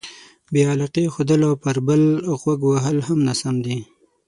بې علاقې ښودل او پر بل غوږ وهل هم ناسم دي.